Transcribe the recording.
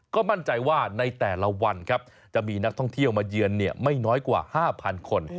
ก็มั่นใจว่าในแต่ละวันครับจะมีนักท่องเที่ยวมาเยือนไม่น้อยกว่า๕๐๐คน